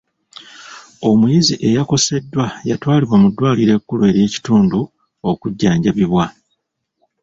Omuyizi eyakoseddwa yatwalidwa mu ddwaliro ekkulu ery'omukitundu okujjanjabibwa.